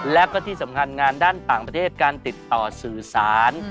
แล้วก็ที่สำคัญงานด้านต่างประเทศการติดต่อสื่อสาร